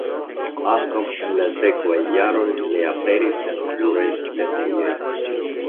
Ankaŭ en la sekvaj jaroj li aperis en pluraj scenejoj.